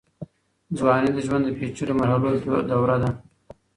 ځوانۍ د ژوند د پېچلو مرحلو دوره ده.